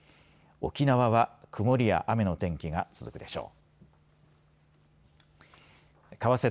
沖縄は曇りや雨の天気が続くでしょう。